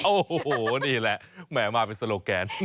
โอ้โหนี่แหละแหมมาเป็นโซโลแกน